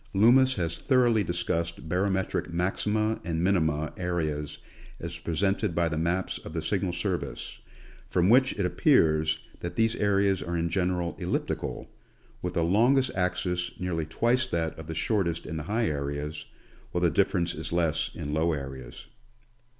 Loomis has thoroughly discussed barometric maxima and minima areas as presented by the maps of the Signal Service, from which it appears that these areas are in general elliptical, with the longest axis nearly twice that of the shortest in the high areas, while the difference is less in low areas.